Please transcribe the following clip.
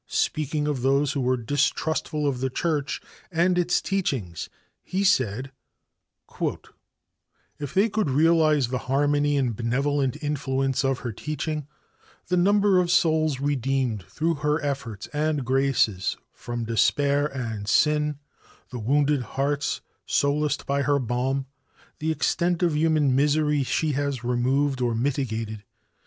Speaking of those who were distrustful of the Church and its teachings he said: "If they could realize the harmony and benevolent influence of her teaching, the number of souls redeemed through her efforts and graces from despair and sin, the wounded hearts solaced by her balm the extent of human misery she has removed or mitigated?